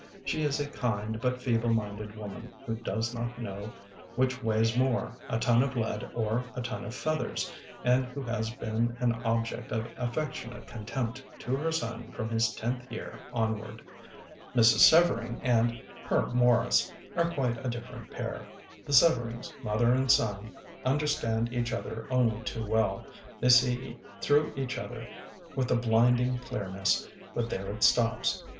She is a kind but feeble minded woman, who does not know which weighs more, a ton of lead or a ton of feathers, and who has been an object of affectionate contempt to her son from, his tenth year onward. Mrs. Sever ing and "her Morris" are quite a different pair. The Severings, mother and son, understand each other only too well; they see through each other with a blinding clearness, but there it stops.